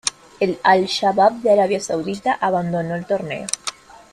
El Al Shabab de Arabia Saudita abandonó el torneo.